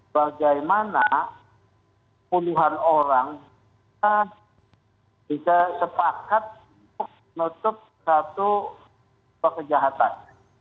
bagaimana puluhan orang bisa sepakat untuk menutup satu kejahatan